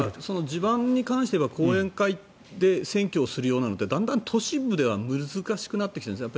地盤に関しては後援会で選挙をするようなのってだんだん都市部では難しくなってきてるんですね。